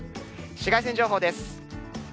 紫外線情報です。